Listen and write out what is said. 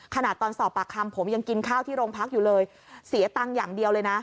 ตอนสอบปากคำผมยังกินข้าวที่โรงพักอยู่เลยเสียตังค์อย่างเดียวเลยนะ